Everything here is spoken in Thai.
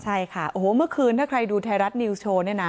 ใช่ค่ะโอ้โหเมื่อคืนถ้าใครดูไทยรัฐนิวสโชว์เนี่ยนะ